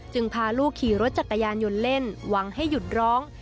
พาลูกขี่รถจักรยานยนต์เล่นหวังให้หยุดร้อง